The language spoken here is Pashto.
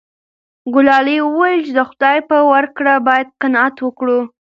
ګلالۍ وویل چې د خدای په ورکړه باید قناعت وکړو.